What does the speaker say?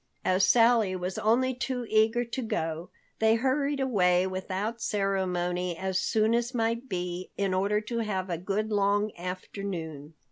As Sally was only too eager to go, they hurried away without ceremony as soon as might be, in order to have a good long afternoon.